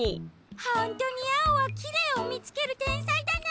ほんとにアオはきれいをみつけるてんさいだな。